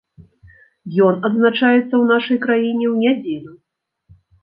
Ён адзначаецца ў нашай краіне ў нядзелю.